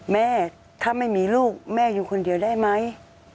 แม่ถ้าไม่มีลูกแม่อยู่คนเดียวได้ไหม